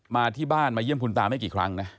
มาที่บ้านมาเยี่ยมคุณตาไม่กี่ครั้งนะ